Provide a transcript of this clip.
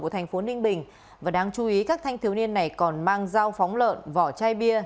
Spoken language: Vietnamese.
của thành phố ninh bình và đáng chú ý các thanh thiếu niên này còn mang dao phóng lợn vỏ chai bia